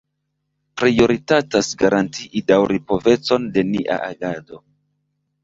Prioritatas garantii daŭripovecon de nia agado.